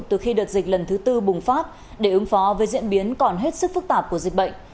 từ khi đợt dịch lần thứ tư bùng phát để ứng phó với diễn biến còn hết sức phức tạp của dịch bệnh